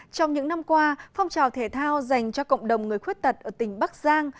trong những năm qua phong trào thể thao dành cho cộng đồng người khuyết tật ở tỉnh bắc giang